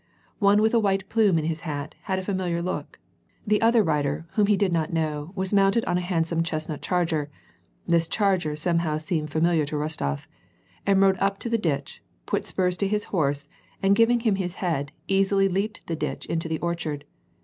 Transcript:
One with a white plume in his hat, had a familiar look ; the other rider, he whom he did not know, was mounted on a handsome chestnut charger — this charger somehow seemed familiar to Rostof, — and rode up to the ditch, put spurs to his horse, and giving him his head, easily leaped the ditch into the orchard.